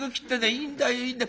いいんだよいいんだよ。